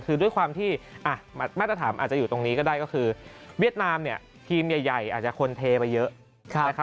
คือด้วยความที่มาตรฐานอาจจะอยู่ตรงนี้ก็ได้ก็คือเวียดนามเนี่ยทีมใหญ่อาจจะคนเทไปเยอะนะครับ